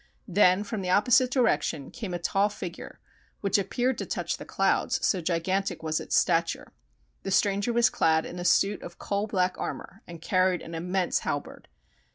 Then from the opposite direction came a tall figure which appeared to touch the clouds, so gigantic was its stature. The stranger was clad in a suit of coal black armor and carried an immense halberd.